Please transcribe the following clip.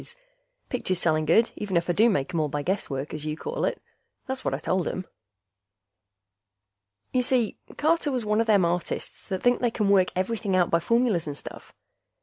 pictures selling good, even if I do make 'em all by guesswork, as you call it." That's what I told him. Y'see, Carter was one a them artists that think they can work everything out by formulas and stuff.